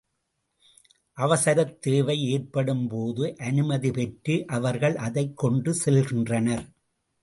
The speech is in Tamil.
அவசரத் தேவை ஏற்படும்போது அனுமதி பெற்று அவர்கள் அதைக் கொண்டு செல்கின்றனர்.